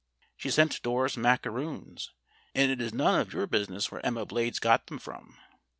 She sent Doris macaroons and it is none of your business where Emma Blades got them from.